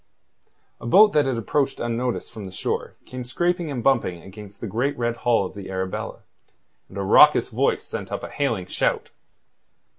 A boat that had approached unnoticed from the shore came scraping and bumping against the great red hull of the Arabella, and a raucous voice sent up a hailing shout.